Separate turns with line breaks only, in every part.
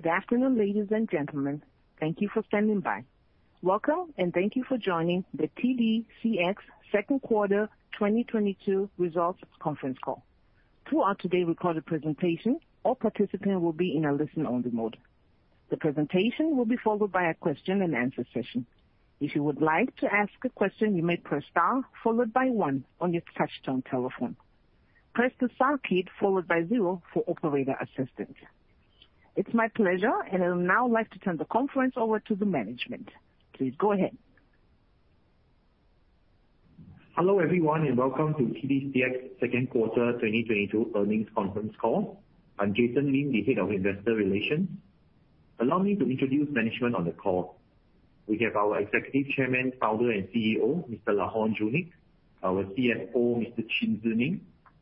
Good afternoon, ladies and gentlemen. Thank you for standing by. Welcome and thank you for joining the TDCX Q2 2022 results conference call. Throughout today's recorded presentation, all participants will be in a listen-only mode. The presentation will be followed by a question-and-answer session. If you would like to ask a question, you may press star followed by one on your touchtone telephone. Press the star key followed by zero for operator assistance. It's my pleasure, and I would now like to turn the conference over to the management. Please go ahead.
Hello, everyone, and welcome to TDCX Q2 2022 Earnings Conference Call. I'm Jason Lim, the Head of Investor Relations. Allow me to introduce management on the call. We have our Executive Chairman, Founder, and CEO, Mr. Laurent Junique, our CFO, Mr. Chin Tze Neng,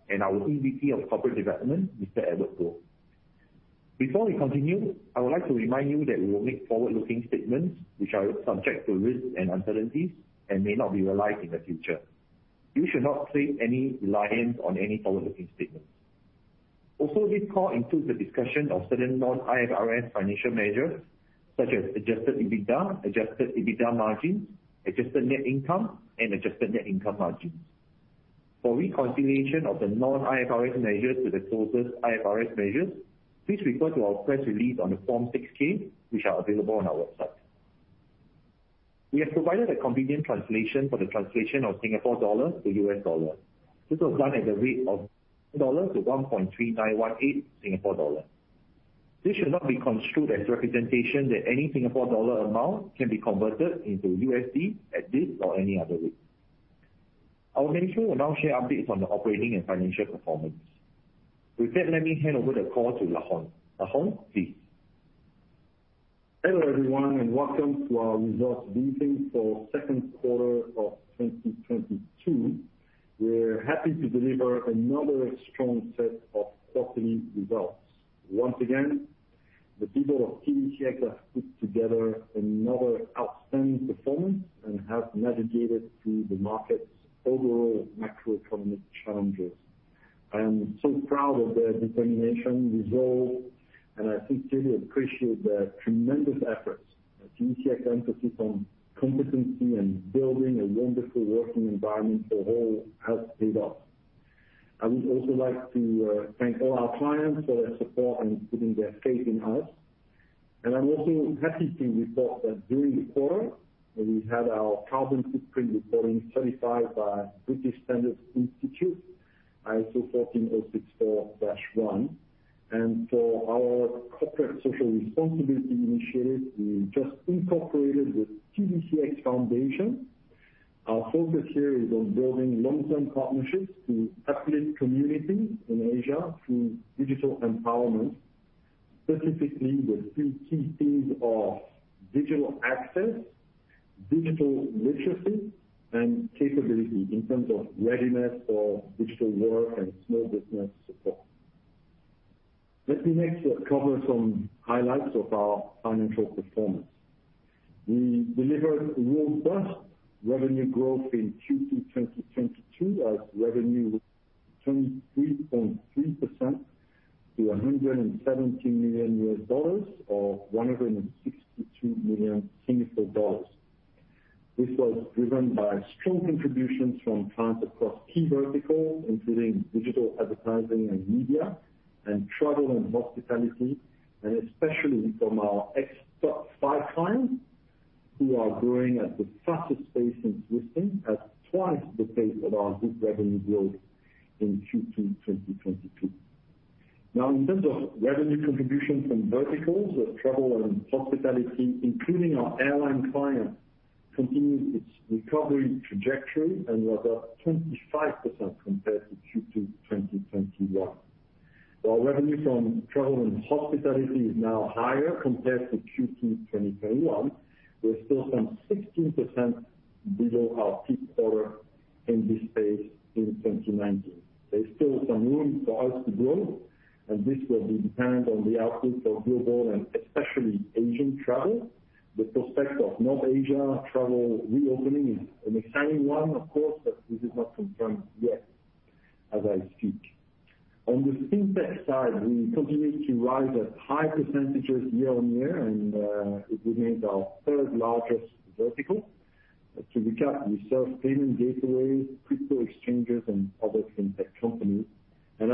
and our EVP of Corporate Development, Mr. Edward Goh. Before we continue, I would like to remind you that we will make forward-looking statements which are subject to risks and uncertainties and may not be realized in the future. You should not place any reliance on any forward-looking statements. Also, this call includes the discussion of certain non-IFRS financial measures, such as adjusted EBITDA, adjusted EBITDA margins, adjusted net income, and adjusted net income margins. For reconciliation of the non-IFRS measures to the closest IFRS measures, please refer to our press release on the Form 6-K which are available on our website. We have provided a convenient translation for the translation of Singapore dollar to U.S. dollar. This was done at the rate of $1 to 1.3918 Singapore dollar. This should not be construed as representation that any Singapore dollar amount can be converted into USD at this or any other rate. Our management will now share updates on the operating and financial performance. With that, let me hand over the call to Laurent. Laurent, please.
Hello, everyone, and welcome to our results briefing for Q2 of 2022. We're happy to deliver another strong set of quarterly results. Once again, the people of TDCX have put together another outstanding performance and have navigated through the market's overall macroeconomic challenges. I am so proud of their determination, resolve, and I think truly appreciate their tremendous efforts. The TDCX emphasis on competency and building a wonderful working environment for all has paid off. I would also like to thank all our clients for their support and putting their faith in us. I'm also happy to report that during the quarter, we had our carbon footprint reporting certified by British Standards Institution, ISO 14064-1. For our corporate social responsibility initiative, we just incorporated the TDCX Foundation. Our focus here is on building long-term partnerships to uplift communities in Asia through digital empowerment, specifically the three key themes of digital access, digital literacy, and capability in terms of readiness for digital work and small business support. Let me next cover some highlights of our financial performance. We delivered robust revenue growth in Q2 2022 as revenue was 23.3% to $170 million or 162 million Singapore dollars. This was driven by strong contributions from clients across key verticals, including digital advertising and media and travel and hospitality, and especially from our top five clients who are growing at the fastest pace in history, at twice the pace of our group revenue growth in Q2 2022. Now, in terms of revenue contribution from verticals of travel and hospitality, including our airline clients, continues its recovery trajectory and was up 25% compared to Q2 2021. While revenue from travel and hospitality is now higher compared to Q2 2021, we're still some 16% below our peak quarter in this space in 2019. There's still some room for us to grow, and this will be dependent on the outlook of global and especially Asian travel. The prospect of North Asia travel reopening is an exciting one, of course, but this is not confirmed yet as I speak. On the fintech side, we continue to rise at high percentages year-on-year and it remains our third largest vertical. To recap, we serve payment gateways, crypto exchanges, and other fintech companies. As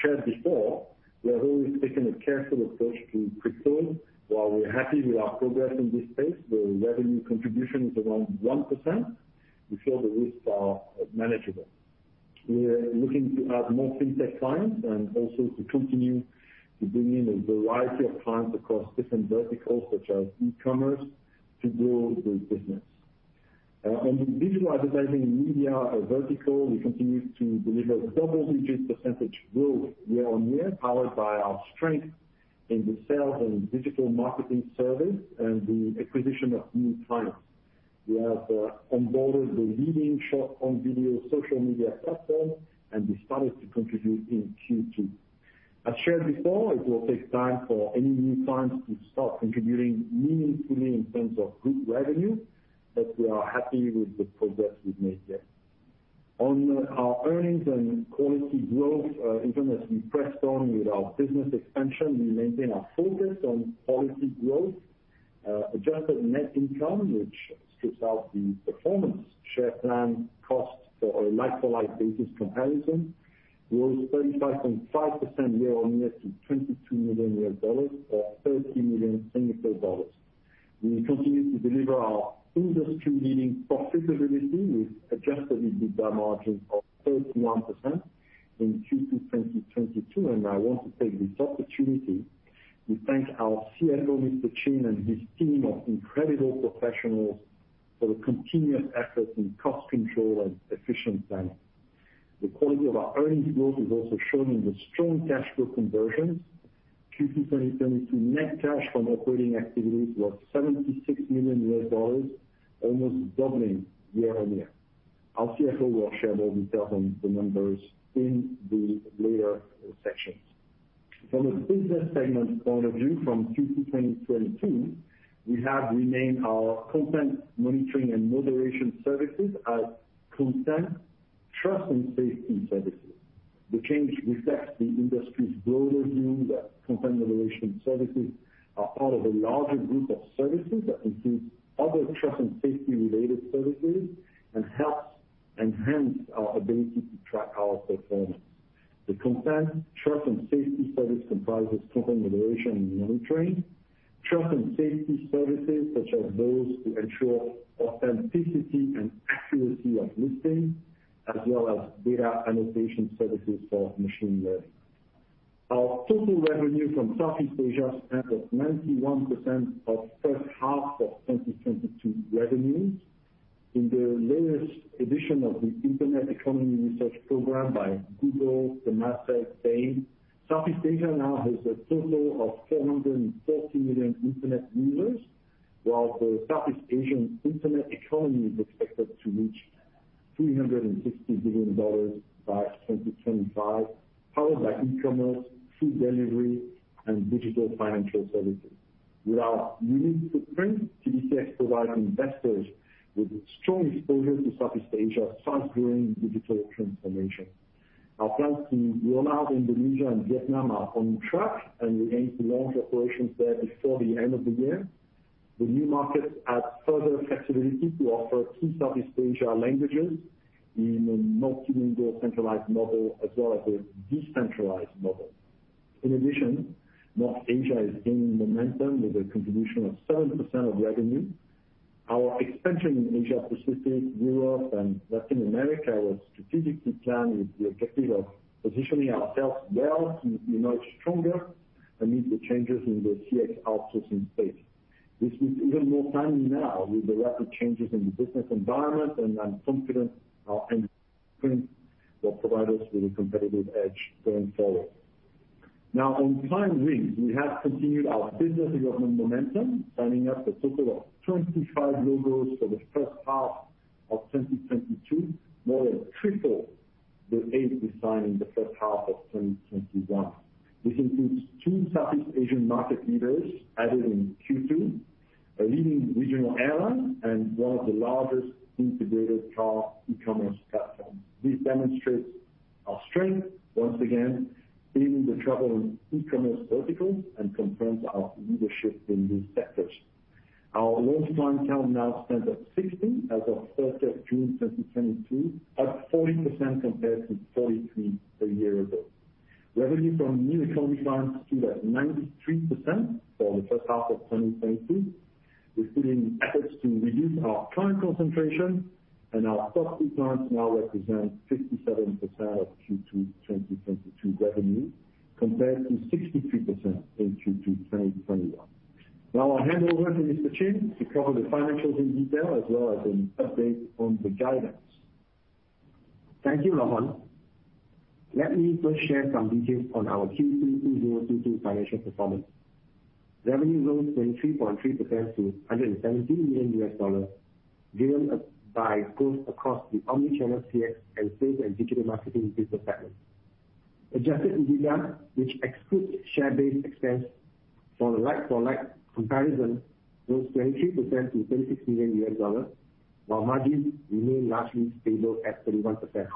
shared before, we have always taken a careful approach to crypto. While we're happy with our progress in this space, the revenue contribution is around 1%. We feel the risks are manageable. We are looking to add more fintech clients and also to continue to bring in a variety of clients across different verticals, such as e-commerce, to grow the business. On the digital advertising and media vertical, we continue to deliver double-digit % growth year-on-year, powered by our strength in the sales and digital marketing service and the acquisition of new clients. We have onboarded the leading short-form video social media platform, and this started to contribute in Q2. As shared before, it will take time for any new clients to start contributing meaningfully in terms of group revenue, but we are happy with the progress we've made here. On our earnings and quality growth, even as we pressed on with our business expansion, we maintain our focus on quality growth. Adjusted net income, which strips out the Performance Share Plan costs for a like-for-like basis comparison, rose 35.5% year-on-year to $22 million or 30 million Singapore dollars. We continue to deliver our industry-leading profitability with Adjusted EBITDA margin of 31% in Q2 2022. I want to take this opportunity to thank our CFO, Mr. Chin, and his team of incredible professionals for the continuous effort in cost control and efficiency. The quality of our earnings growth is also shown in the strong cash flow conversion. Q2 2022 net cash from operating activities was $76 million, almost doubling year-on-year. Our CFO will share more detail on the numbers in the later sections. From a business segment point of view from Q2 2022, we have renamed our content monitoring and moderation services as content trust and safety services. The change reflects the industry's broader view that content moderation services are part of a larger group of services that include other trust and safety related services and helps enhance our ability to track our performance. The content trust and safety service comprises content moderation and monitoring, trust and safety services such as those to ensure authenticity and accuracy of listings, as well as data annotation services for machine learning. Our total revenue from Southeast Asia stood at 91% of H1 of 2022 revenues. In the latest edition of the Internet Economy Research program by Google, Temasek, Bain, Southeast Asia now has a total of 440 million internet users, while the Southeast Asian internet economy is expected to reach $360 billion by 2025, powered by e-commerce, food delivery and digital financial services. With our unique footprint, TDCX provides investors with strong exposure to Southeast Asia's fast-growing digital transformation. Our plans to roll out Indonesia and Vietnam are on track, and we aim to launch operations there before the end of the year. The new markets add further flexibility to offer key Southeast Asia languages in a multilingual centralized model as well as a decentralized model. In addition, North Asia is gaining momentum with a contribution of 7% of revenue. Our expansion in Asia Pacific, Europe and Latin America was strategically planned with the objective of positioning ourselves well to be much stronger amid the changes in the CX outsourcing space. This is even more timely now with the rapid changes in the business environment, and I'm confident our footprint will provide us with a competitive edge going forward. Now on client wins, we have continued our business development momentum, signing up a total of 25 logos for the H1 of 2022, more than triple the eight we signed in the H1 of 2021. This includes two Southeast Asian market leaders added in Q2, a leading regional airline and one of the largest integrated car e-commerce platforms. This demonstrates our strength once again in the travel and e-commerce verticals and confirms our leadership in these sectors. Our launch client count now stands at 16 as of June 1, 2022, up 40% compared to 43 a year ago. Revenue from new economy clients stood at 93% for the H1 of 2022. We put in efforts to reduce our client concentration and our top clients now represent 67% of Q2 2022 revenue, compared to 63% in Q2 2021. Now I'll hand over to Mr. Chin to cover the financials in detail as well as an update on the guidance.
Thank you, Laurent. Let me first share some details on our Q2 2022 financial performance. Revenue rose 23.3% to $117 million, driven by growth across the omnichannel CX and sales and digital marketing business segments. Adjusted EBITDA, which excludes share-based expense for a like-for-like comparison, rose 23% to $36 million, while margins remained largely stable at 31%.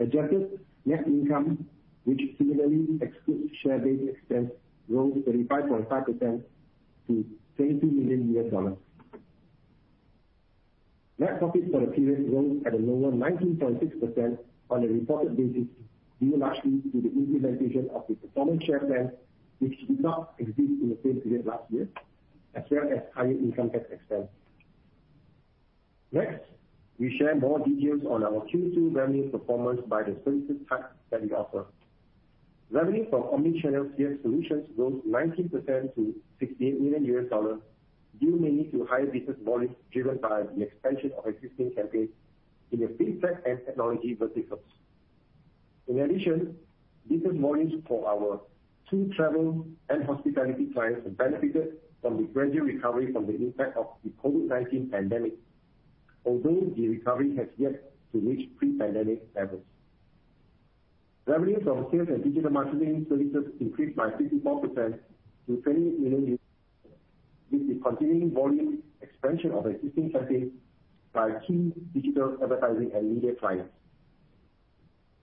Adjusted net income, which similarly excludes share-based expense, rose 25.5% to $20 million. Net profits for the period rose at a lower 19.6% on a reported basis, due largely to the implementation of the Performance Share Plan, which did not exist in the same period last year, as well as higher income tax expense. Next, we share more details on our Q2 revenue performance by the services type that we offer. Revenue from omnichannel CX solutions rose 19% to $16 million, due mainly to higher business volumes driven by the expansion of existing campaigns in the fintech and technology verticals. In addition, business volumes for our key travel and hospitality clients have benefited from the gradual recovery from the impact of the COVID-19 pandemic. Although the recovery has yet to reach pre-pandemic levels. Revenues from sales and digital marketing services increased by 64% to $20 million, with the continuing volume expansion of existing campaigns by key digital advertising and media clients.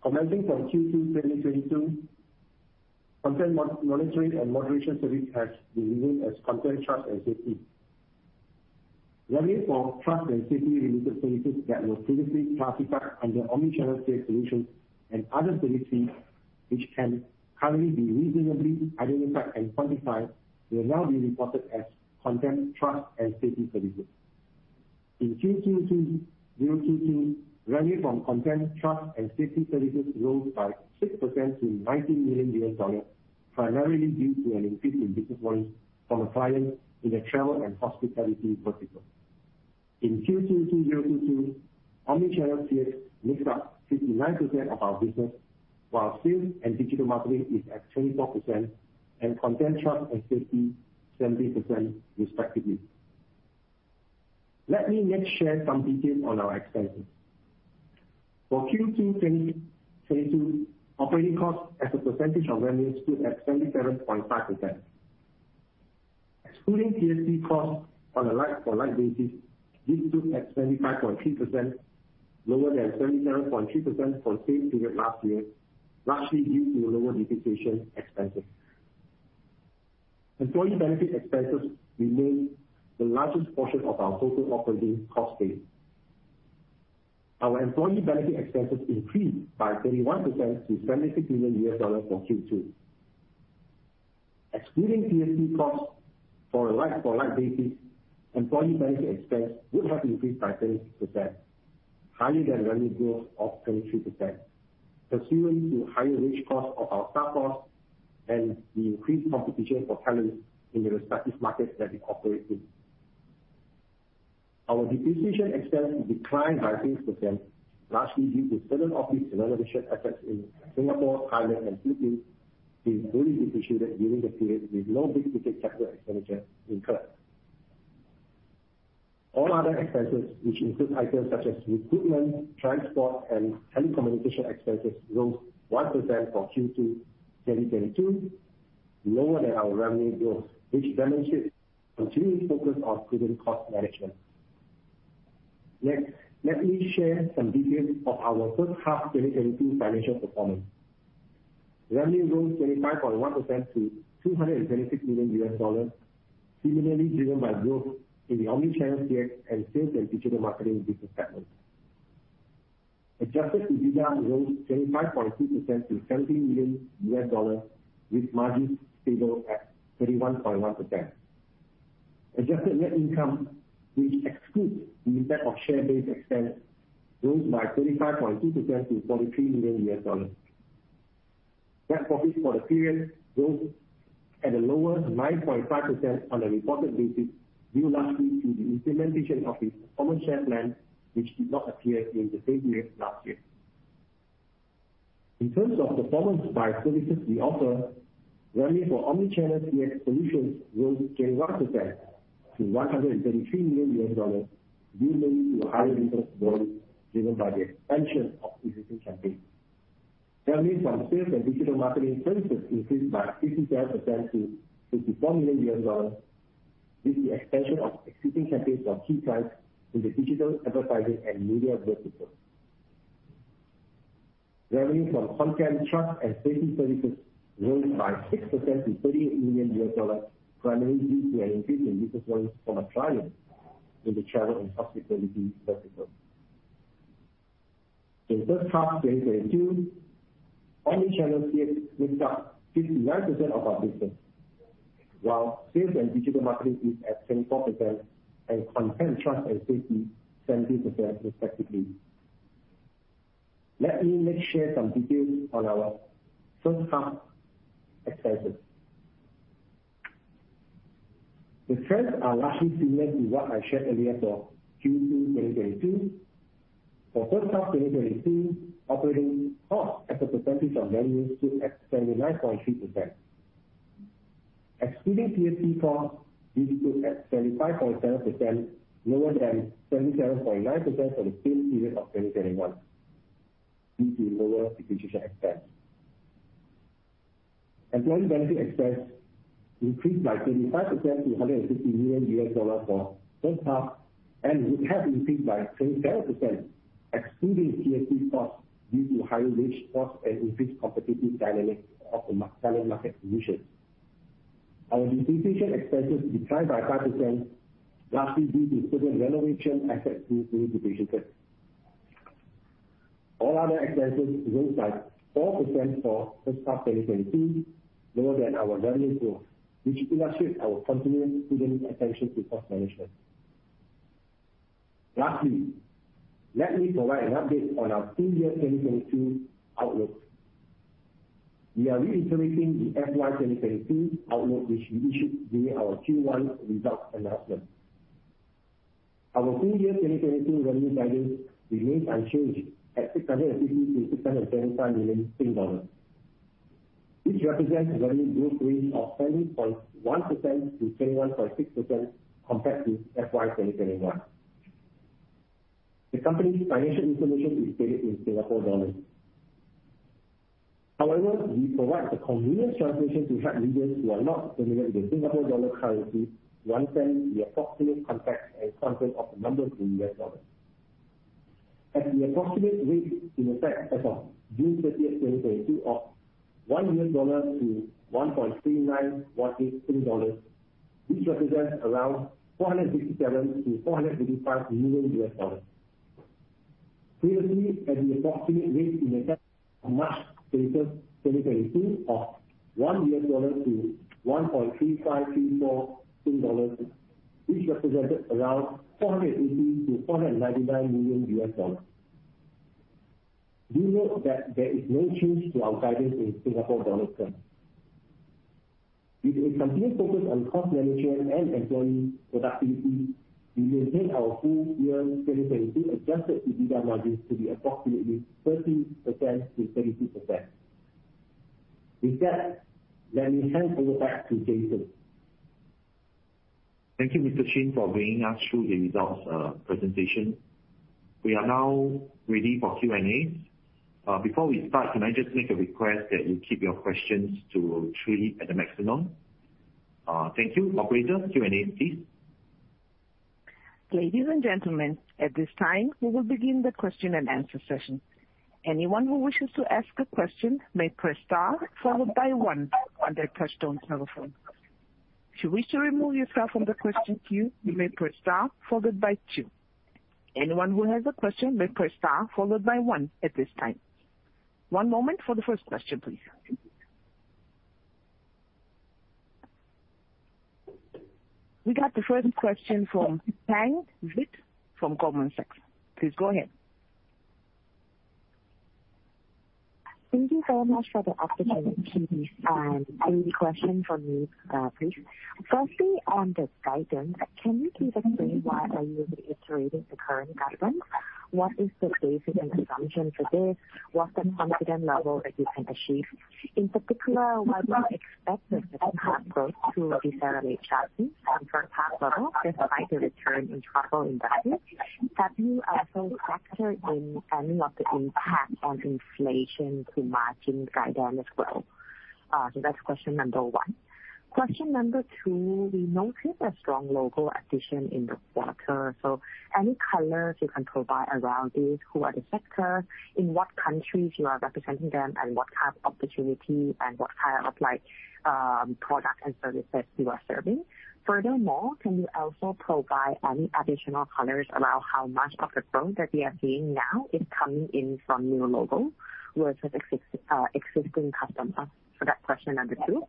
Commencing from Q2 2022, content monitoring and moderation service has been renamed as content trust and safety. Revenue for trust and safety-related services that were previously classified under omni-channel sales solutions and other service fees, which can currently be reasonably identified and quantified, will now be reported as content trust and safety services. In Q2 2022, revenue from content trust and safety services rose by 6% to $19 million, primarily due to an increase in business volume from a client in the travel and hospitality vertical. In Q2 2022, omnichannel CX makes up 59% of our business, while sales and digital marketing is at 24% and content trust and safety 70% respectively. Let me next share some details on our expenses. For Q2 2022, operating costs as a percentage of revenue stood at 77.5%. Excluding PSC costs on a like-for-like basis, this stood at 75.3%, lower than 77.3% for the same period last year, largely due to lower depreciation expenses. Employee benefit expenses remain the largest portion of our total operating cost base. Our employee benefit expenses increased by 21% to $76 million for Q2. Excluding PSC costs for a like-for-like basis, employee benefit expense would have increased by 20%, higher than revenue growth of 23%, pursuant to higher wage cost of our staff cost and the increased competition for talent in the respective markets that we operate in. Our depreciation expense declined by 8%, largely due to certain office renovation efforts in Singapore, Thailand, and Philippines being fully depreciated during the period, with no big ticket capital expenditure incurred. All other expenses, which include items such as recruitment, transport, and telecommunication expenses, rose 1% for Q2 2022, lower than our revenue growth, which demonstrates continued focus on prudent cost management. Next, let me share some details of our H1 2022 financial performance. Revenue rose 25.1% to $276 million, similarly driven by growth in the omnichannel CX and sales and digital marketing business segments. Adjusted EBITDA rose 25.2% to $70 million, with margins stable at 31.1%. Adjusted Net Income, which excludes the impact of share-based expense, rose by 25.2% to $43 million. Net profit for the period rose at a lower 9.5% on a reported basis, due largely to the implementation of the Performance Share Plan, which did not appear in the same period last year. In terms of performance by services we offer, revenue for omnichannel CX solutions rose 10.1% to $133 million, due mainly to higher business volume driven by the expansion of existing campaigns. Revenue from sales and digital marketing services increased by 57% to $54 million, with the expansion of existing campaigns from key clients in the digital advertising and media vertical. Revenue from content trust and safety services rose by 6% to $38 million, primarily due to an increase in business volumes from a client in the travel and hospitality vertical. In H1 2022, omnichannel CX makes up 59% of our business, while sales and digital marketing is at 24% and content trust and safety 70% respectively. Let me next share some details on our H1 expenses. The trends are largely similar to what I shared earlier for Q2 2022. For H1 2022, operating costs as a percentage of revenue stood at 79.3%. Excluding PSC costs, this stood at 75.7%, lower than 77.9% for the same period of 2021, due to lower depreciation expense. Employee benefit expense increased by 25% to $160 million for H1, and would have increased by 27% excluding PSC costs due to higher wage costs and increased competitive dynamics of the talent market conditions. Our depreciation expenses declined by 5%, largely due to certain renovation efforts being fully depreciated. All other expenses rose by 4% for H1 2022, lower than our revenue growth, which illustrates our continued prudent attention to cost management. Lastly, let me provide an update on our full year 2022 outlook. We are reiterating the fiscal year 2022 outlook which we issued during our Q1 results announcement. Our full year 2022 revenue guidance remains unchanged at SGD 650 million-SGD 675 million. This represents revenue growth range of 20.1%-21.6% compared to FY 2021. The company's financial information is stated in Singapore dollars. However, we provide a convenient translation to help readers who are not familiar with the Singapore dollar currency, along with the approximate conversion and context of the numbers in U.S. dollars. At the approximate rate in effect as of June 30, 2022 of $1 to 1.3918 dollars, which represents around $457 million-$455 million. Previously, at the approximate rate in effect on March 30, 2022 of $1 to 1.3534 Sing dollars, which represented around $480 million-$499 million. Do note that there is no change to our guidance in Singapore dollar terms. With a continued focus on cost management and employee productivity, we maintain our full year 2022 Adjusted EBITDA margin to be approximately 13%-32%. With that, let me hand over back to Jason.
Thank you, Mr. Chin, for bringing us through the results presentation. We are now ready for Q&A. Before we start, can I just make a request that you keep your questions to three at the maximum? Thank you. Operator, Q&A please.
Ladies and gentlemen, at this time, we will begin the question-and-answer session. Anyone who wishes to ask a question may press star followed by one on their touch-tone telephone. If you wish to remove yourself from the question queue, you may press star followed by two. Anyone who has a question may press star followed by one at this time. One moment for the first question, please. We got the first question from Pang from Goldman Sachs. Please go ahead.
Thank you so much for the opportunity. Three question from me, please. Firstly, on the guidance, can you give a frame why are you reiterating the current guidance? What is the basic assumption for this? What's the confidence level that you can achieve? In particular, what do you expect the H2 growth to decelerate sharply from H1 level despite the return in travel investments? Have you also factored in any of the impact on inflation to margin guidance as well? That's question number one. Question number two, we noted a strong logo addition in the quarter. Any colors you can provide around this, who are the sectors, in what countries you are representing them, and what kind of opportunity and what kind of like, product and services you are serving? Furthermore, can you also provide any additional colors around how much of the growth that we are seeing now is coming in from new logo versus existing customers? That's question number two.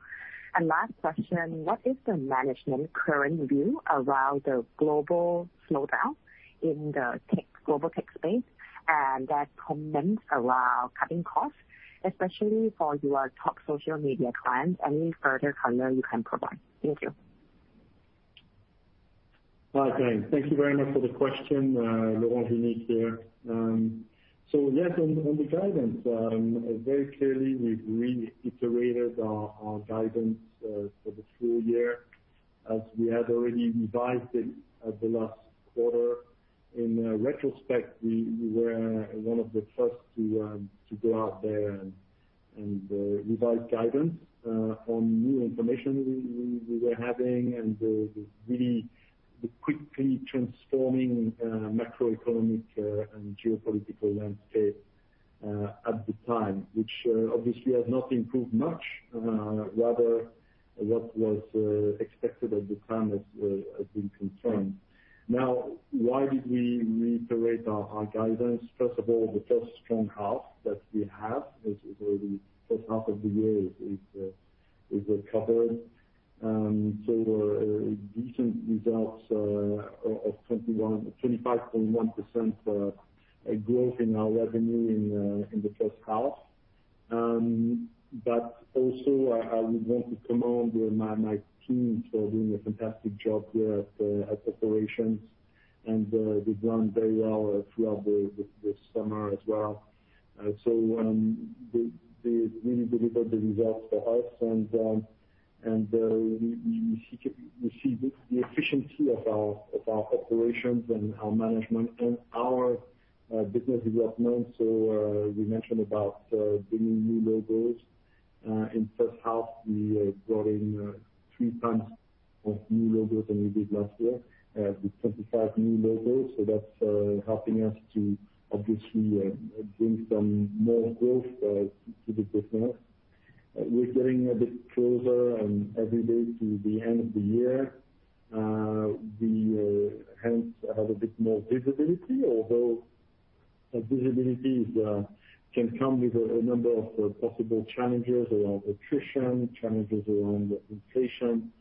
Last question, what is the management current view around the global slowdown in the tech, global tech space and their comments around cutting costs, especially for your top social media clients? Any further color you can provide? Thank you.
Hi, Pang. Thank you very much for the question. Laurent Junique here. So yes, on the guidance, very clearly, we've reiterated our guidance for the full year as we had already revised it at the last quarter. In retrospect, we were one of the first to go out there and revise guidance on new information we were having and the really quickly transforming macroeconomic and geopolitical landscape at the time, which obviously has not improved much. Rather what was expected at the time has been confirmed. Now, why did we reiterate our guidance? First of all, the first strong half that we have is already H1 of the year is recovered. A decent results of 25.1% growth in our revenue in the H1. I would want to commend my team for doing a fantastic job here at operations. They've done very well throughout the summer as well. They really delivered the results for us. We see the efficiency of our operations and our management and our business development. We mentioned about bringing new logos. In H1, we brought in three times of new logos than we did last year with 25 new logos. That's helping us to obviously bring some more growth to the business. We're getting a bit closer every day to the end of the year. We hence have a bit more visibility, although visibility can come with a number of possible challenges around attrition, challenges around inflation,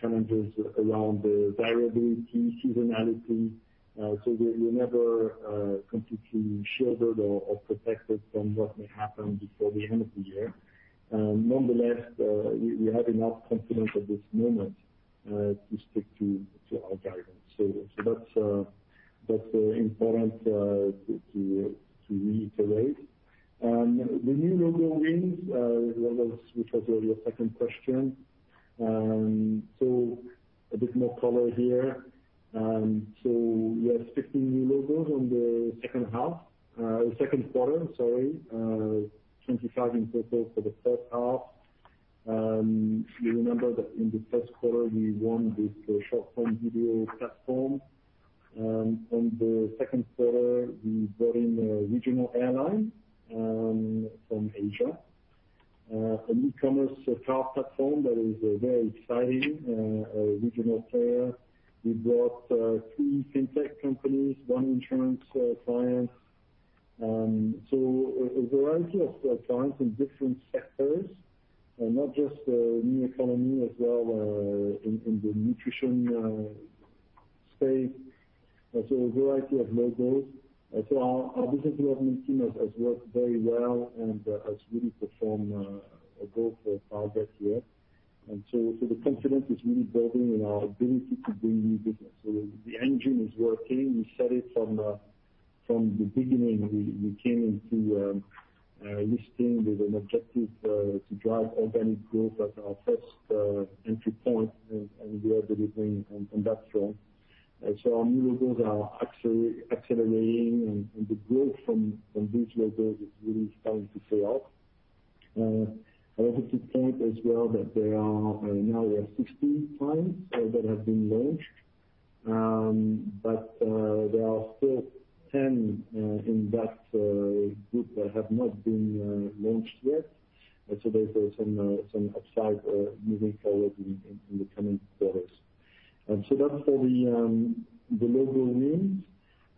challenges around the variability, seasonality. We're never completely shielded or protected from what may happen before the end of the year. Nonetheless, we have enough confidence at this moment to stick to our guidance. That's important to reiterate. The new logo wins, which was your second question. A bit more color here. We have 15 new logos in the Q2, sorry, 25 in total for the H1. You remember that in the Q1, we won this short form video platform. On the Q2, we brought in a regional airline from Asia, an e-commerce car platform that is very exciting, a regional player. We brought three fintech companies, one insurance client. A variety of clients in different sectors, not just new economy as well, in the nutrition space. Our business development team has worked very well and has really performed above target here. The confidence is really building in our ability to bring new business. The engine is working. We said it from the beginning. We came into this thing with an objective to drive organic growth as our first entry point and we are delivering on that front. So our new logos are actually accelerating and the growth from these logos is really starting to pay off. I'd like to point as well that there are now 60 clients that have been launched. But there are still 10 in that group that have not been launched yet. There's some upside moving forward in the coming quarters. That's for the logo news.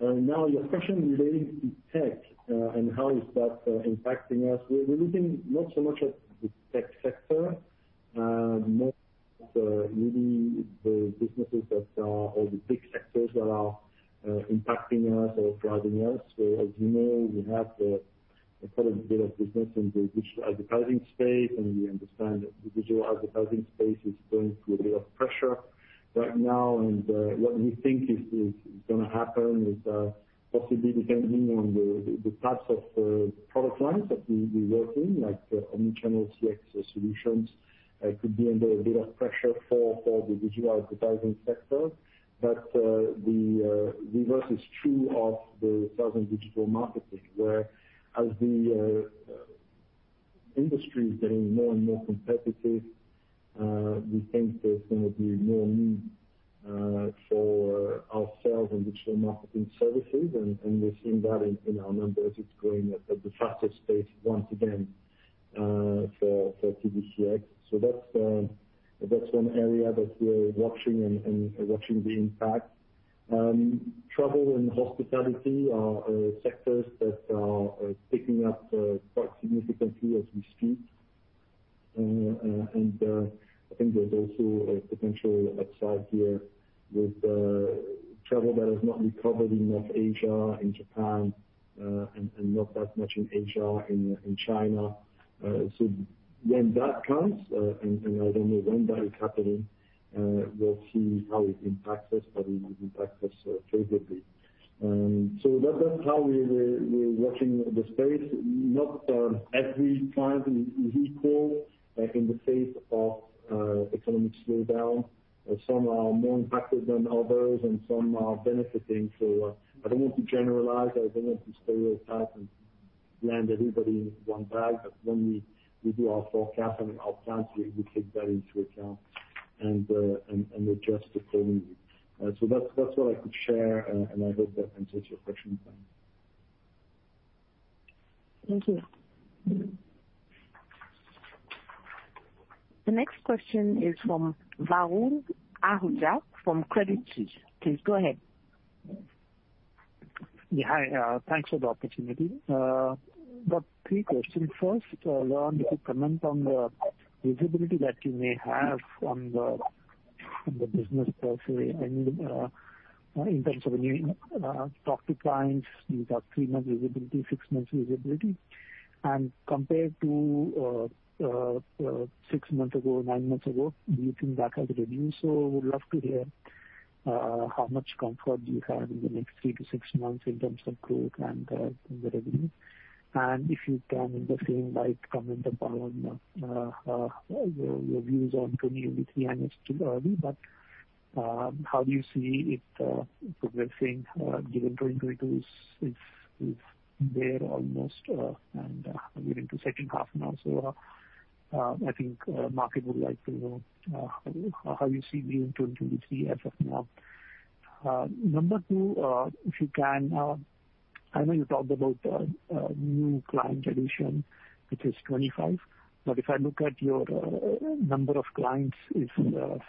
Now your question relating to tech and how is that impacting us. We're looking not so much at the tech sector, more at really the businesses that are, or the big sectors that are, impacting us or driving us. As you know, we have a fair bit of business in the digital advertising space, and we understand that the digital advertising space is going through a bit of pressure right now. What we think is gonna happen is possibly depending on the types of product lines that we work in, like omnichannel CX solutions, could be under a bit of pressure for the digital advertising sector. The reverse is true of the sales and digital marketing, whereas the industry is getting more and more competitive, we think there's gonna be more need for us in digital marketing services and we're seeing that in our numbers. It's growing at the fastest pace once again for TDCX. That's one area that we're watching the impact. Travel and hospitality are sectors that are ticking up quite significantly as we speak. I think there's also a potential upside here with travel that has not recovered in North Asia, in Japan, and not that much in Asia, in China. When that comes, and I don't know when that is happening, we'll see how it impacts us, but it will impact us favorably. That's how we're watching the space. Not every client is equal in the face of economic slowdown. Some are more impacted than others and some are benefiting. I don't want to generalize. I don't want to stereotype and land everybody in one bag. When we do our forecast and our plans, we take that into account and adjust accordingly. That's what I could share. I hope that answers your question, Pang.
Thank you.
Mm-hmm.
The next question is from Varun Ahuja from Credit Suisse. Please go ahead.
Yeah. Hi. Thanks for the opportunity. Got three questions. First, Laurent, if you comment on the business per se and in terms of when you talk to clients, you've got three months visibility, six months visibility. Compared to six months ago, nine months ago, do you think that has reduced? Would love to hear how much comfort you have in the next three to six months in terms of growth and the revenue. If you can, in the same light, comment upon your views on 2023. I know it's too early, but how do you see it progressing given 2022 is almost there and we're into H2 now. I think market would like to know how you see 2023 as of now. Number two, if you can, I know you talked about a new client addition, which is 25. But if I look at your number of clients is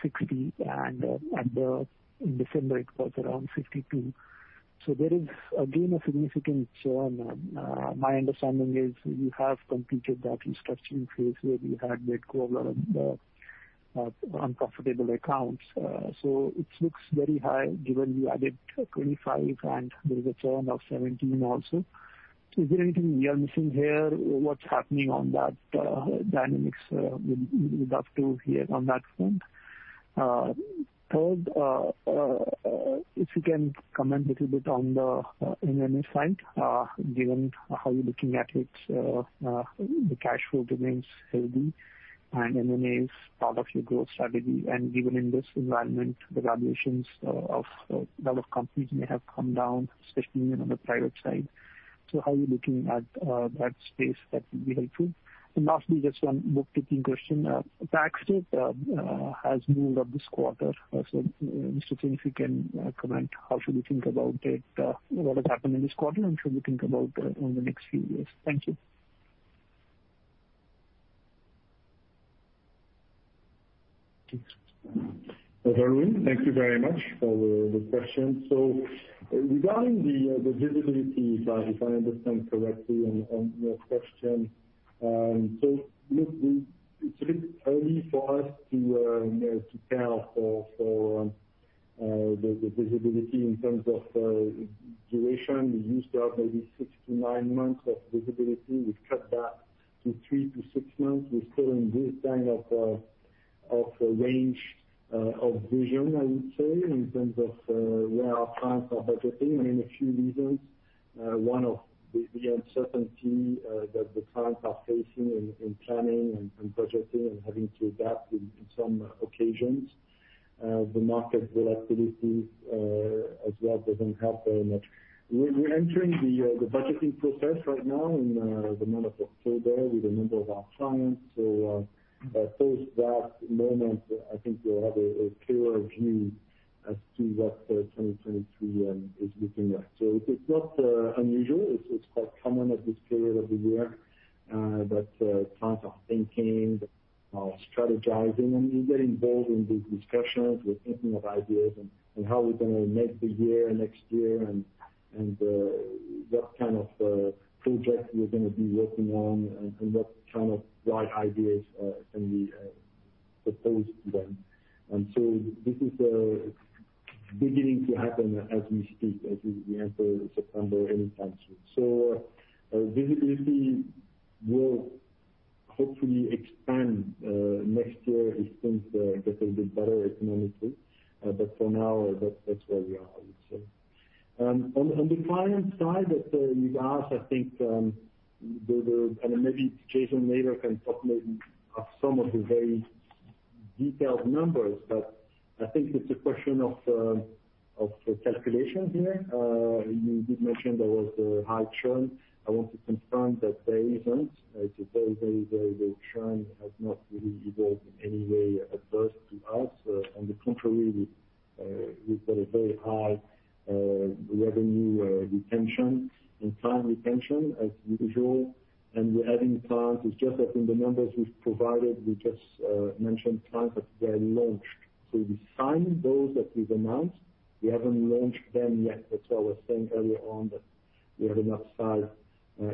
60, and in December it was around 52. There is again a significant churn. My understanding is you have completed that restructuring phase where you had let go of unprofitable accounts. It looks very high given you added 25 and there's a churn of 17 also. Is there anything we are missing here? What's happening on that dynamics with that tool here on that front? Third, if you can comment a little bit on the M&A side, given how you're looking at it, the cash flow remains healthy and M&A is part of your growth strategy. Even in this environment, the valuations of a lot of companies may have come down, especially on the private side. How are you looking at that space? That would be helpful. Lastly, just one housekeeping question. Tax rate has moved up this quarter. Mr. Chin, if you can comment on how we should think about it? What has happened in this quarter, and how should we think about it over the next few years? Thank you.
Varun, thank you very much for the question. Regarding the visibility side, if I understand correctly on your question. Look, it's a bit early for us to you know, to tell for the visibility in terms of duration. We used to have maybe six-nine months of visibility. We've cut that to three-six months. We're still in this kind of a range of vision, I would say, in terms of where our clients are budgeting. I mean, a few reasons. One of the uncertainty that the clients are facing in planning and budgeting and having to adapt in some occasions. The market volatility as well doesn't help very much. We're entering the budgeting process right now in the month of October with a number of our clients. Post that moment, I think we'll have a clearer view as to what 2023 is looking at. It's not unusual. It's quite common at this period of the year that clients are thinking, strategizing, and we get involved in these discussions. We're thinking of ideas and how we're gonna make the year next year and what kind of projects we're gonna be working on and what kind of bright ideas can we propose to them. This is beginning to happen as we speak, as we enter September any time soon. Visibility will hopefully expand next year as things get a little bit better economically. For now, that's where we are, I would say. On the client side that you asked, I think the... Maybe Jason later can talk maybe of some of the very detailed numbers, but I think it's a question of calculations here. You did mention there was a high churn. I want to confirm that there isn't. It's very low. Churn has not really evolved in any way adverse to us. On the contrary, we've got a very high revenue retention and client retention as usual, and we're adding clients. It's just that in the numbers we've provided, we just mentioned clients that were launched. We signed those that we've announced. We haven't launched them yet. That's what I was saying earlier on, that we have enough size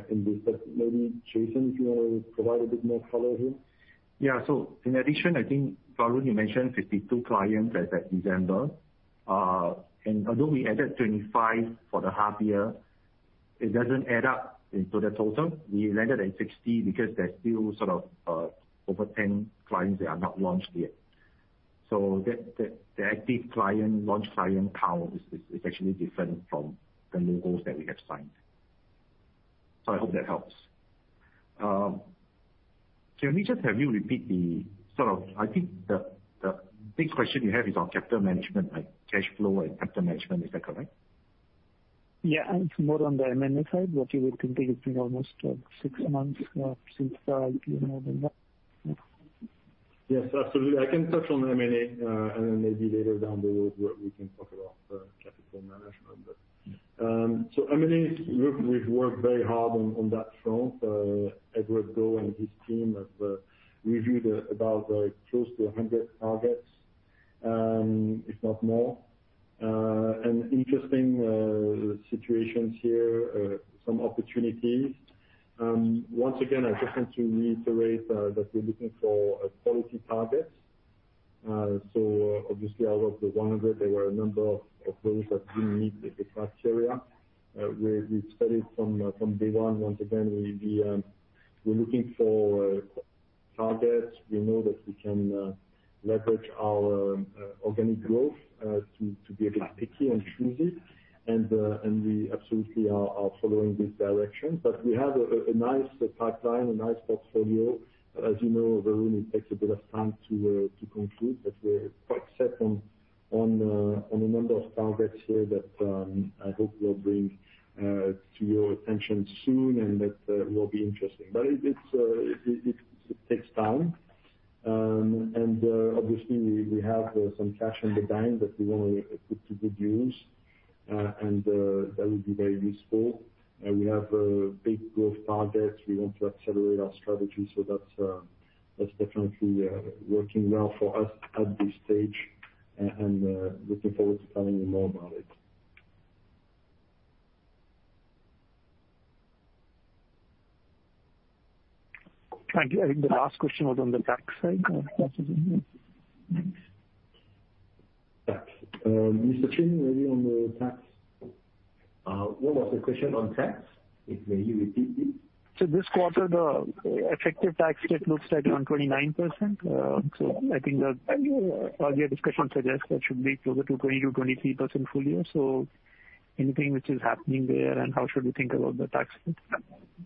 in this. Maybe Jason, if you wanna provide a bit more color here.
Yeah. In addition, I think, Varun, you mentioned 52 clients as at December. Although we added 25 for the half year, it doesn't add up into the total. We landed at 60 because there's still sort of over 10 clients that are not launched yet. The active client launch client count is actually different from the logos that we have signed. I hope that helps. I think the big question you have is on capital management, right? Cash flow and capital management. Is that correct?
Yeah. It's more on the M&A side, what you would continue doing almost six months since, you know. Yeah.
Yes, absolutely. I can touch on M&A, and then maybe later down the road we can talk about capital management, but M&A, we've worked very hard on that front. Edward Goh and his team have reviewed about close to 100 targets, if not more. Interesting situations here, some opportunities. Once again, I just want to reiterate that we're looking for quality targets. Obviously out of the 100, there were a number of those that didn't meet the criteria. We've studied from day one. Once again, we're looking for targets. We know that we can leverage our organic growth to be a bit picky and choosy. We absolutely are following this direction. We have a nice pipeline, a nice portfolio. As you know, Varun, it takes a bit of time to conclude, but we're quite set on a number of targets here that I hope we'll bring to your attention soon, and that will be interesting. It takes time. Obviously we have some cash in the bank that we want to put to good use, and that would be very useful. We have big growth targets. We want to accelerate our strategy. That's definitely working well for us at this stage. Looking forward to telling you more about it.
Thank you. I think the last question was on the tax side. If that's okay. Thanks.
Tax. Mr. Chin, what was the question on tax, if may you repeat please?
This quarter, the effective tax rate looks like around 29%. I think that earlier discussion suggests that should be closer to 20%-23% full year. Anything which is happening there and how should we think about the tax rate?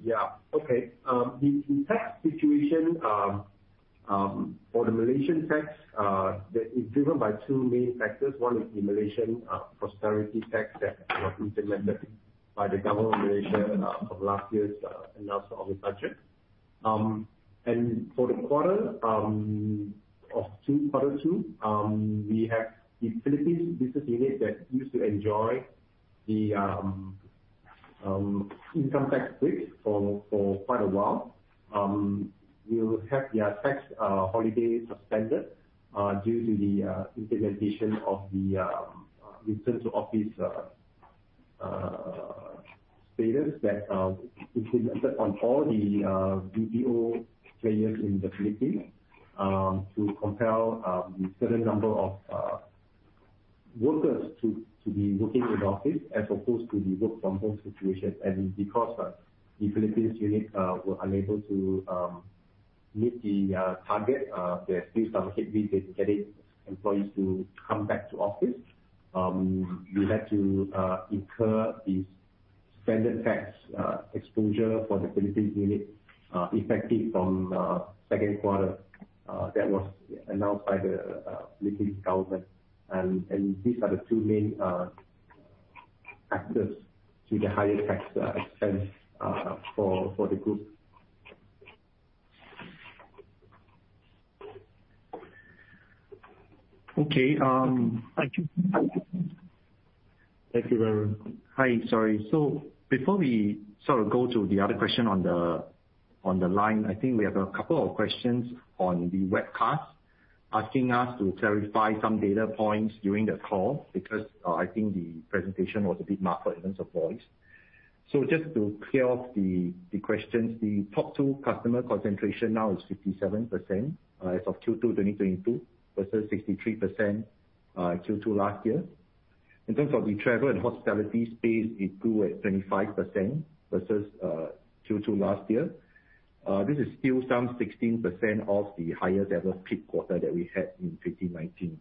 Yeah. Okay. The tax situation for the Malaysian tax that is driven by two main factors. One is the Malaysian Prosperity Tax that was implemented by the government of Malaysia of last year's announcement of the budget. For quarter two, we have the Philippines business unit that used to enjoy the income tax rate for quite a while. We will have their tax holiday suspended due to the implementation of the return to office status that implemented on all the BPO players in the Philippines to compel the certain number of workers to be working in the office as opposed to the work from home situation. Because the Philippines unit were unable to meet the target, they have to still get these dedicated employees to come back to office. We had to incur the standard tax exposure for the Philippines unit effective from Q2 that was announced by the Philippines government. These are the two main factors to the higher tax expense for the group.
Okay. Thank you.
Thank you very much.
Hi. Sorry. Before we sort of go to the other question on the line, I think we have a couple of questions on the webcast asking us to clarify some data points during the call because I think the presentation was a bit marked by difference of voice. Just to clear up the questions, the top two customer concentration now is 57% as of Q2 2022, versus 63% Q2 last year. In terms of the travel and hospitality space, it grew at 25% versus Q2 last year. This is still some 16% of the highest ever peak quarter that we had in 2019.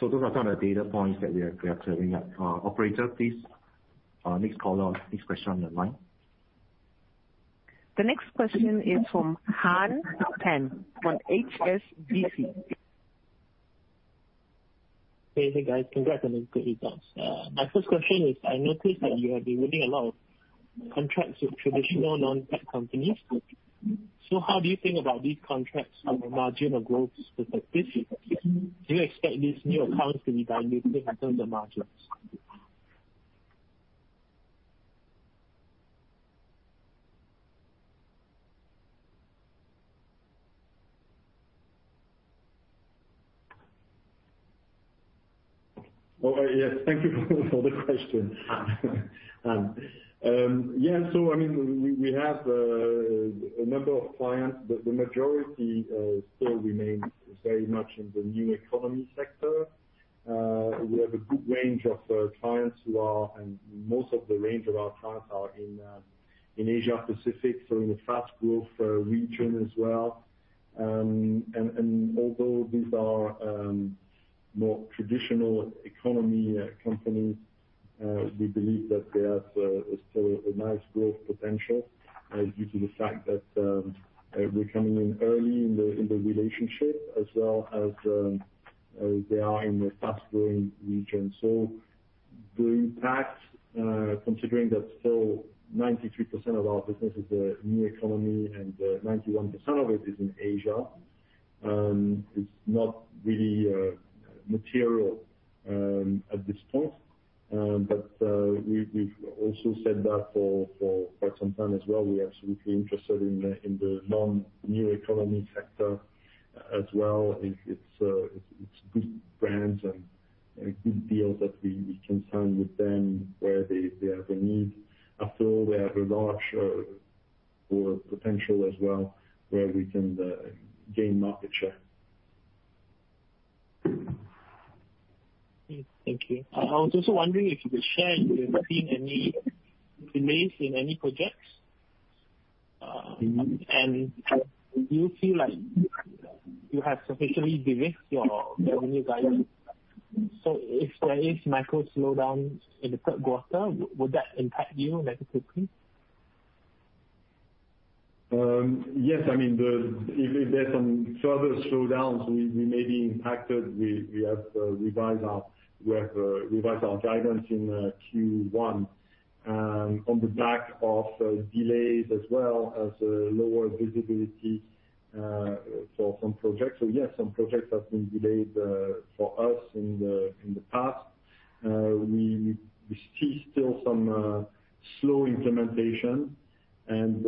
Those are some of the data points that we are clearing up. Operator, please, next question on the line.
The next question is from Han Pan from HSBC.
Hey. Hey, guys. Congratulations. My first question is, I noticed that you have been winning a lot of contracts with traditional non-tech companies. How do you think about these contracts from a margin or growth perspective? Do you expect these new accounts to be dilutive in terms of margins?
Oh, yes. Thank you for the question. I mean, we have a number of clients. The majority still remain very much in the new economy sector. We have a good range of clients. Most of the range of our clients are in Asia Pacific, so in the fast growth region as well. Although these are more traditional economy companies, we believe that they have a sort of a nice growth potential due to the fact that we're coming in early in the relationship as well as they are in a fast-growing region. Going back, considering that still 93% of our business is new economy and 91% of it is in Asia, it's not really material at this point. We've also said that for quite some time as well. We are absolutely interested in the non-new economy sector as well. It's good brands and good deals that we can sign with them where they have a need. After all, we have a large pool of potential as well, where we can gain market share.
Thank you. I was also wondering if you could share if you're seeing any delays in any projects. Do you feel like you have sufficiently de-risked your revenue guidance? If there is macro slowdown in the Q3, would that impact you negatively?
Yes. I mean, if there's some further slowdowns, we may be impacted. We have revised our guidance in Q1 on the back of delays as well as lower visibility for some projects. Yes, some projects have been delayed for us in the past. We see still some slow implementation and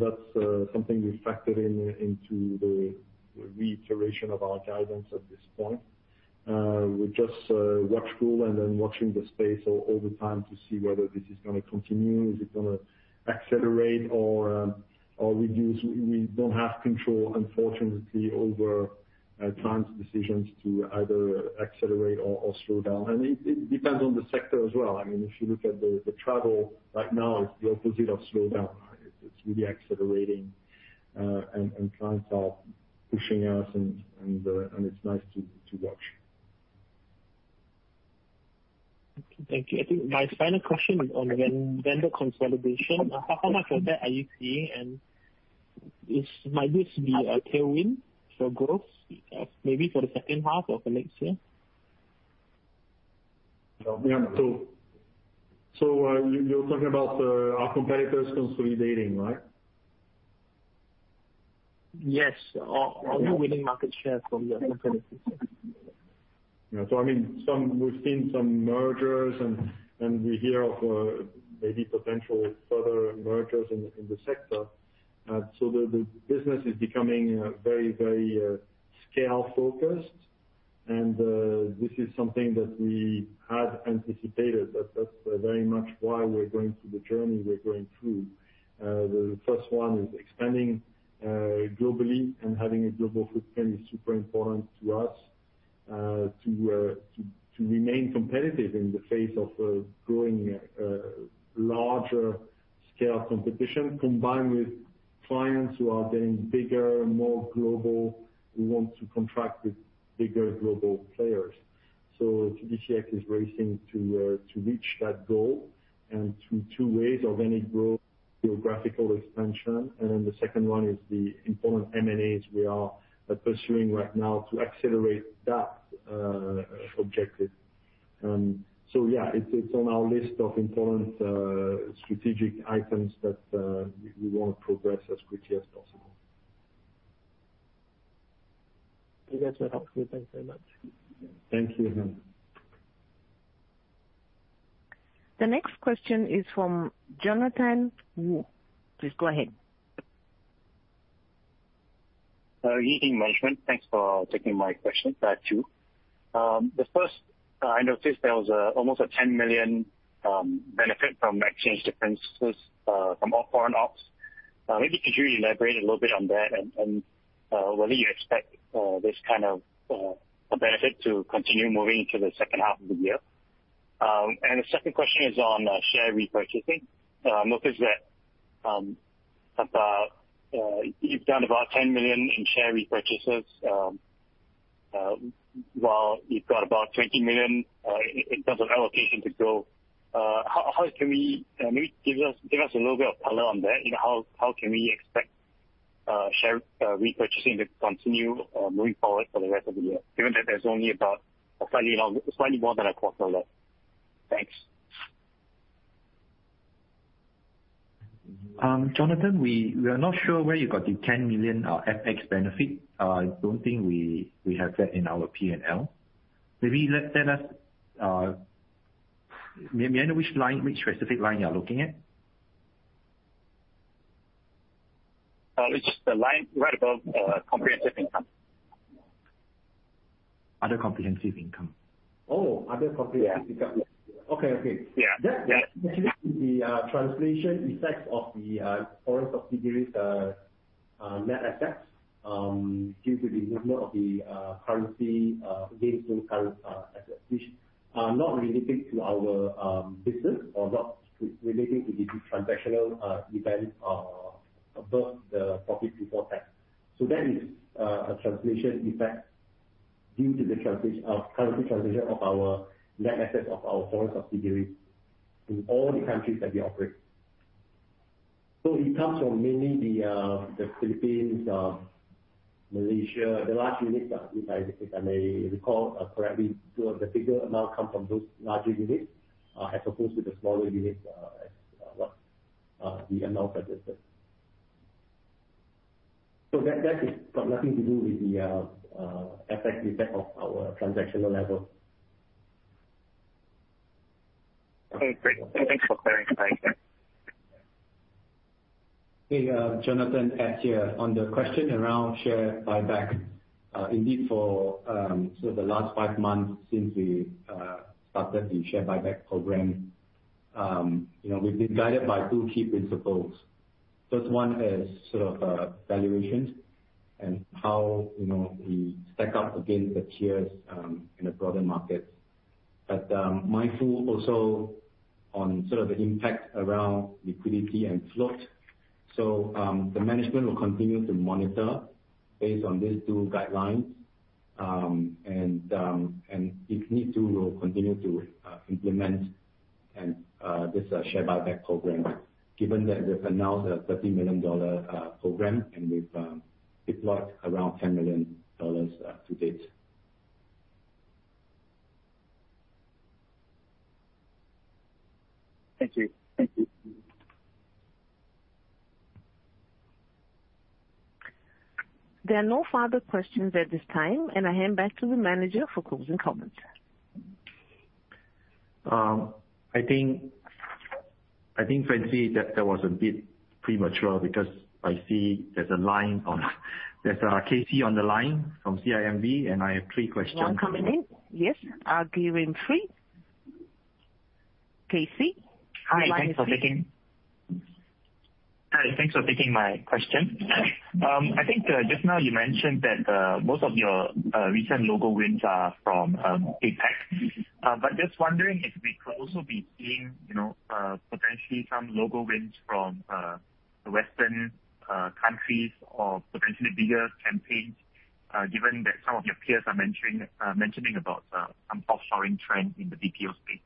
that's something we factored into the reiteration of our guidance at this point. We're just watchful and watching the space all the time to see whether this is gonna continue. Is it gonna accelerate or reduce? We don't have control, unfortunately, over clients' decisions to either accelerate or slow down. It depends on the sector as well. I mean, if you look at the travel right now is the opposite of slowdown. It's really accelerating, and it's nice to watch.
Okay. Thank you. I think my final question is on vendor consolidation. How much of that are you seeing, and might this be a tailwind for growth, maybe for the H2 of the next year?
Yeah, you're talking about our competitors consolidating, right?
Yes. Are you winning market share from your competitors?
I mean, we've seen some mergers and we hear of maybe potential further mergers in the sector. The business is becoming very scale-focused. This is something that we had anticipated. That's very much why we're going through the journey we're going through. The first one is expanding globally and having a global footprint is super important to us to remain competitive in the face of growing larger scale competition, combined with clients who are getting bigger and more global, who want to contract with bigger global players. TDCX is racing to reach that goal through two ways, organic growth, geographical expansion. The second one is the important M&As we are pursuing right now to accelerate that objective. Yeah, it's on our list of important strategic items that we want to progress as quickly as possible.
You guys are helpful. Thanks very much.
Thank you.
The next question is from Jonathan Woo. Please go ahead.
For Eking Management. Thanks for taking my question. I have two. The first, I noticed there was almost a $10 million benefit from exchange differences from foreign ops. Maybe could you elaborate a little bit on that and whether you expect this kind of benefit to continue moving into the H2 of the year? The second question is on share repurchasing. I noticed that you've done about $10 million in share repurchases while you've got about $20 million in terms of allocation to go. Maybe give us a little bit of color on that. You know, how can we expect share repurchasing to continue moving forward for the rest of the year, given that there's only about slightly more than a quarter left? Thanks.
Jonathan, we are not sure where you got the $10 million FX benefit. I don't think we have that in our P&L. Maybe tell us, may I know which line, which specific line you are looking at?
It's the line right above comprehensive income.
Other comprehensive income.
Oh, other comprehensive income.
Yeah.
Okay.
Yeah. Yeah.
That actually the translation effects of the foreign subsidiaries net assets due to the movement of the currency gains and current assets, which are not relating to our business or not relating to the transactional event or above the profit before tax. That is a translation effect due to the currency translation of our net assets of our foreign subsidiary in all the countries that we operate. It comes from mainly the Philippines, Malaysia, the large units, if I may recall correctly. The bigger amount come from those larger units as opposed to the smaller units as what the amount suggested. That has got nothing to do with the FX impact of our transactional level. Okay, great. Thanks for clarifying.
Hey, Jonathan, Ed here. On the question around share buyback, indeed for sort of the last five months since we started the share buyback program, you know, we've been guided by two key principles. First one is sort of valuations and how, you know, we stack up against the peers in the broader market. Mindful also on sort of the impact around liquidity and float. The management will continue to monitor based on these two guidelines. If need to, we'll continue to implement this share buyback program, given that we've announced a $30 million program, and we've deployed around $10 million to date.
Thank you. Thank you.
There are no further questions at this time, and I hand back to the manager for closing comments.
I think, Francine, that was a bit premature because I see there's Casey on the line from CIMB, and I have three questions.
One coming in. Yes. Give him three. Casey, the line is open.
Hi, thanks for taking my question. I think just now you mentioned that most of your recent logo wins are from APAC. Just wondering if we could also be seeing, you know, potentially some logo wins from the Western countries or potentially bigger campaigns, given that some of your peers are mentioning about some offshoring trend in the BPO space.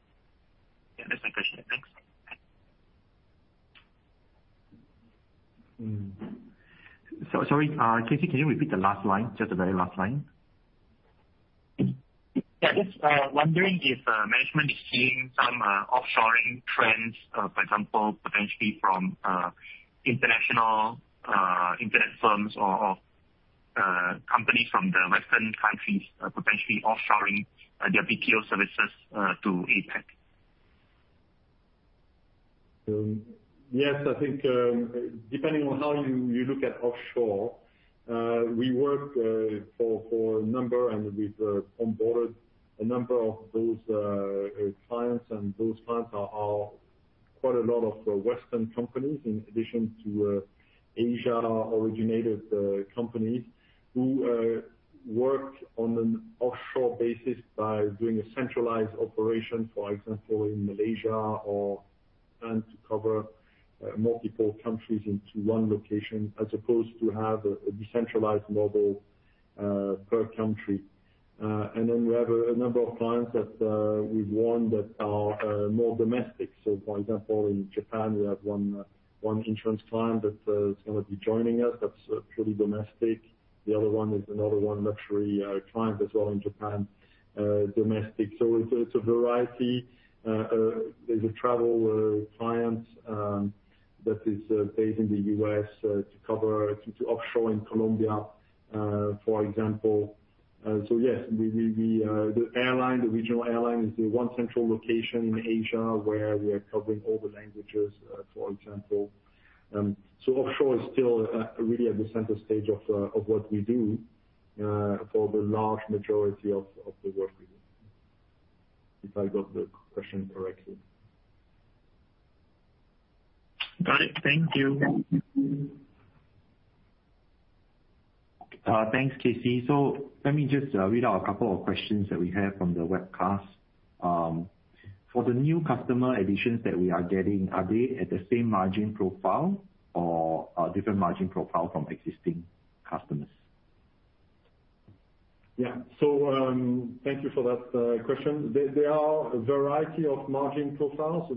Yeah, that's my question. Thanks.
Sorry, Casey, can you repeat the last line? Just the very last line.
Yeah, just wondering if management is seeing some offshoring trends, for example, potentially from international internet firms or companies from the Western countries, potentially offshoring their BPO services to APAC.
Yes, I think, depending on how you look at offshore, we work for a number, and we've onboarded a number of those clients. Those clients are quite a lot of Western companies in addition to Asia originated companies who work on an offshore basis by doing a centralized operation, for example, in Malaysia or trying to cover multiple countries into one location as opposed to have a decentralized model per country. Then we have a number of clients that we've won that are more domestic. For example, in Japan, we have one insurance client that is gonna be joining us that's purely domestic. The other one is another luxury client as well in Japan, domestic. It's a variety. There's a travel client that is based in the U.S. to offshore in Colombia, for example. Yes, the airline, the regional airline is the one central location in Asia where we are covering all the languages, for example. Offshore is still really at the center stage of what we do for the large majority of the work we do, if I got the question correctly.
Got it. Thank you.
Thanks, Casey. Let me just read out a couple of questions that we have from the webcast. For the new customer additions that we are getting, are they at the same margin profile or a different margin profile from existing customers?
Yeah. Thank you for that question. They are a variety of margin profiles.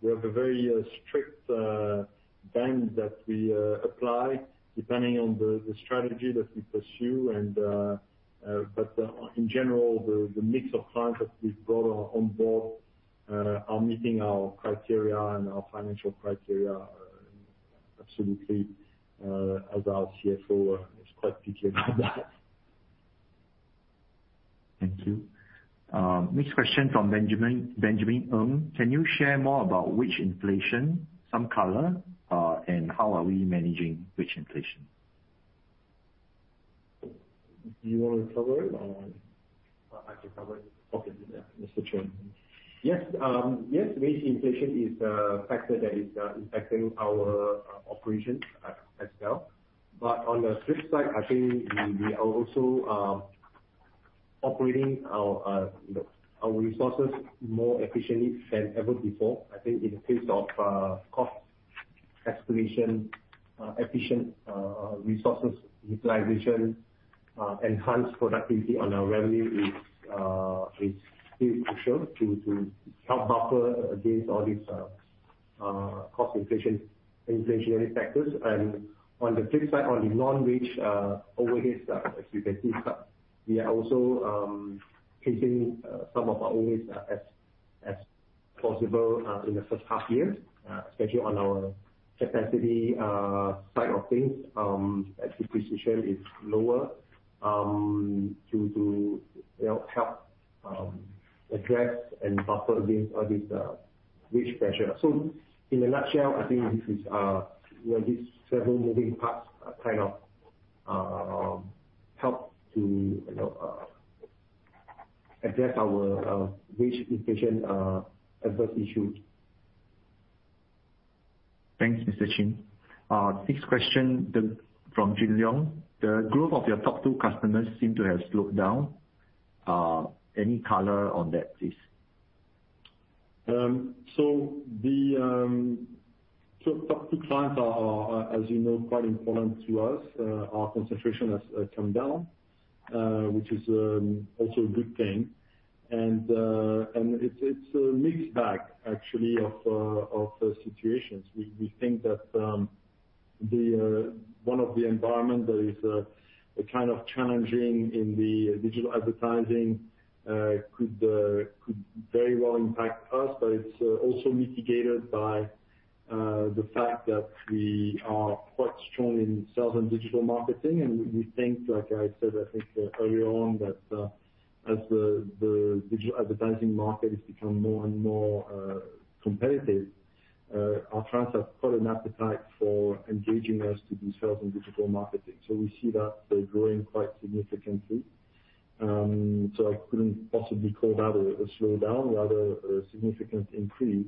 We have a very strict bar that we apply depending on the strategy that we pursue. But in general, the mix of clients that we've brought on board are meeting our criteria and our financial criteria absolutely, as our CFO is quite picky about that.
Thank you. Next question from Benjamin Ng. Can you share more about wage inflation, some color, and how are we managing wage inflation?
Do you wanna cover it or I can cover it. Okay. Yeah, Mr. Chin.
Yes. Yes, wage inflation is a factor that is impacting our operations as well. On the flip side, I think we are also operating our you know, our resources more efficiently than ever before. I think in case of cost exploration, efficient resources utilization enhanced productivity on our revenue is still crucial to help buffer against all these cost inflation, inflationary factors. On the flip side, on the non-wage overheads, as you can see, we are also keeping some of our overheads as possible in the H1 year, especially on our capacity side of things. As depreciation is lower, to you know, help address and buffer against all this wage pressure. In a nutshell, I think this is, you know, these several moving parts kind of help to you know, address our wage inflation adverse issues.
Thanks, Mr. Chin. Next question from Jin Long. The growth of your top two customers seem to have slowed down. Any color on that, please?
The top two clients are, as you know, quite important to us. Our concentration has come down, which is also a good thing. It's a mixed bag actually of situations. We think that one of the environments that is kind of challenging in the digital advertising could very well impact us. But it's also mitigated by the fact that we are quite strong in sales and digital marketing. We think, like I said, I think earlier on, that as the digital advertising market has become more and more competitive, our clients have got an appetite for engaging us to do sales and digital marketing. We see that growing quite significantly. I couldn't possibly call that a slowdown, rather a significant increase.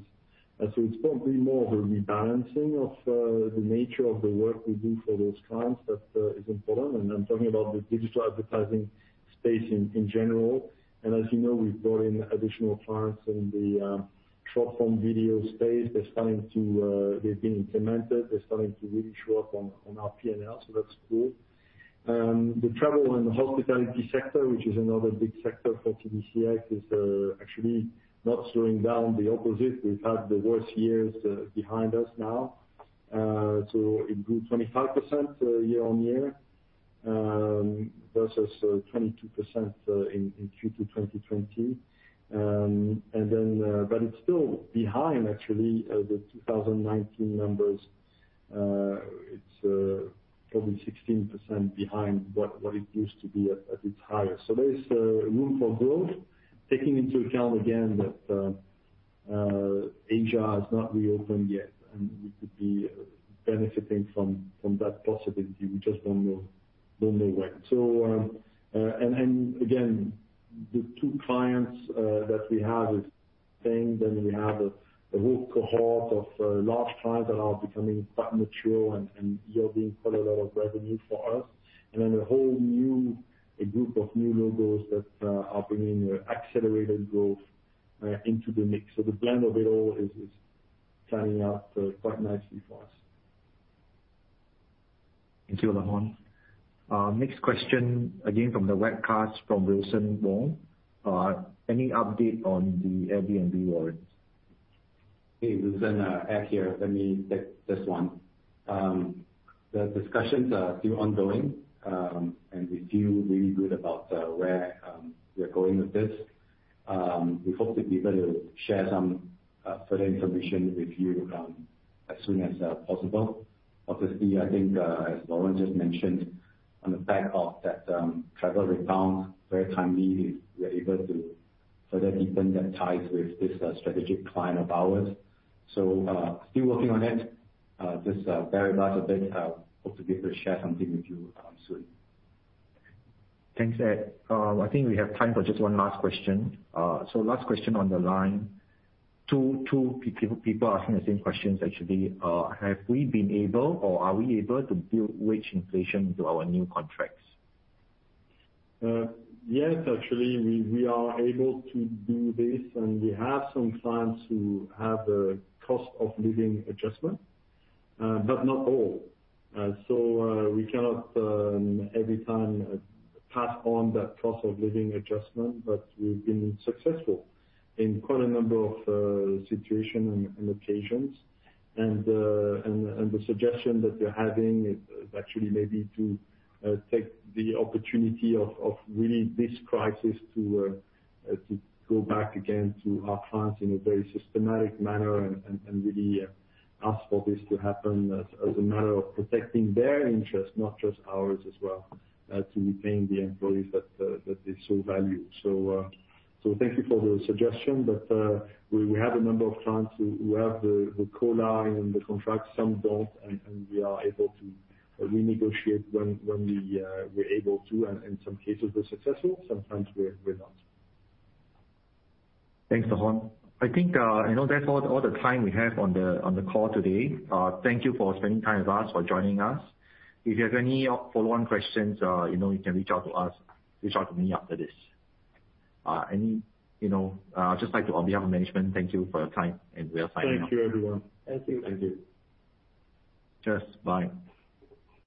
It's probably more of a rebalancing of the nature of the work we do for those clients that is important. I'm talking about the digital advertising space in general. As you know, we've brought in additional clients in the short-form video space. They've been implemented. They're starting to really show up on our P&L, so that's good. The travel and hospitality sector, which is another big sector for TDCX, is actually not slowing down, the opposite. We've had the worst years behind us now. It grew 25% year-on-year versus 22% in Q2 2020. It's still behind actually the 2019 numbers. It's probably 16% behind what it used to be at its highest. There is room for growth. Taking into account again that Asia has not reopened yet, and we could be benefiting from that possibility. We just don't know when. Again, the two clients that we have is saying that we have a whole cohort of large clients that are becoming quite mature and yielding quite a lot of revenue for us. A group of new logos that are bringing accelerated growth into the mix. The blend of it all is turning out quite nicely for us.
Thank you, Laurent. Next question again from the webcast from Wilson Wong. Any update on the Airbnb warrants?
Hey, Wilson. Ed here. Let me take this one. The discussions are still ongoing, and we feel really good about where we're going with this. We hope to be able to share some further information with you as soon as possible. Obviously, I think, as Laurent just mentioned, on the back of that travel rebound, very timely, we are able to further deepen that ties with this strategic client of ours. Still working on it. Just a very large event. Hope to be able to share something with you soon.
Thanks, Ed. I think we have time for just one last question. Last question on the line. Two people asking the same questions actually. Have we been able or are we able to build wage inflation into our new contracts?
Yes, actually, we are able to do this, and we have some clients who have a cost of living adjustment, but not all. We cannot every time pass on that cost of living adjustment, but we've been successful in quite a number of situation and the suggestion that you're having is actually maybe to take the opportunity of really this crisis to go back again to our clients in a very systematic manner and really ask for this to happen as a matter of protecting their interests, not just ours as well, to retain the employees that they so value. Thank you for the suggestion, but we have a number of clients who have the clause in the contract. Some don't, and we are able to renegotiate when we're able to, and in some cases we're successful, sometimes we're not.
Thanks, Laurent. I think, you know, that's all the time we have on the call today. Thank you for spending time with us, for joining us. If you have any follow-on questions, you know, you can reach out to us. Reach out to me after this. You know, I'd just like to, on behalf of management, thank you for your time, and we are signing off.
Thank you, everyone.
Thank you.
Cheers. Bye.